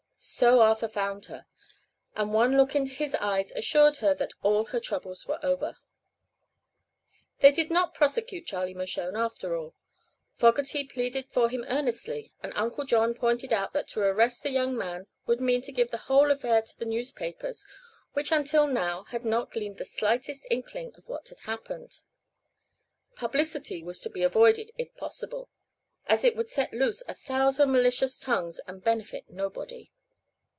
So Arthur found her, and one look into his eyes assured her that all her troubles were over. They did not prosecute Charlie Mershone, after all. Fogerty pleaded for him earnestly, and Uncle John pointed out that to arrest the young man would mean to give the whole affair to the newspapers, which until now had not gleaned the slightest inkling of what had happened. Publicity was to be avoided if possible, as it would set loose a thousand malicious tongues and benefit nobody.